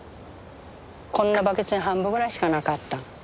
こんなバケツに半分ぐらいしかなかった。